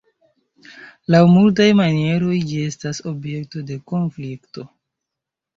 Laŭ multaj manieroj ĝi estas objekto de konflikto.